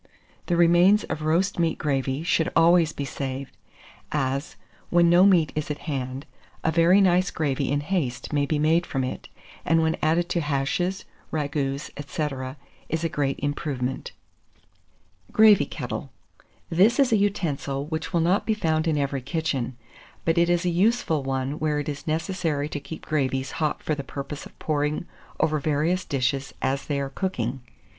The remains of roast meat gravy should always be saved; as, when no meat is at hand, a very nice gravy in haste may be made from it, and when added to hashes, ragoûts, &c., is a great improvement. [Illustration: GRAVY KETTLE.] GRAVY KETTLE. This is a utensil which will not be found in every kitchen; but it is a useful one where it is necessary to keep gravies hot for the purpose of pouring over various dishes as they are cooking.